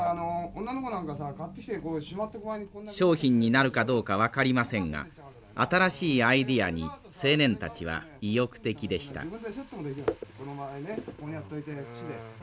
商品になるかどうか分かりませんが新しいアイデアに青年たちは意欲的でした。